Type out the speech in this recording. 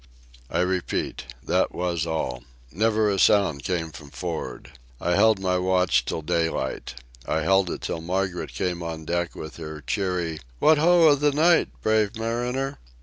I repeat. That was all. Never a sound came from for'ard. I held my watch till daylight. I held it till Margaret came on deck with her cheery "What ho of the night, brave mariner?"